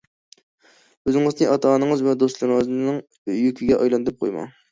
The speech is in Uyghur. ئۆزىڭىزنى ئاتا-ئانىڭىز ۋە دوستلىرىڭىزنىڭ يۈكىگە ئايلاندۇرۇپ قويماڭ.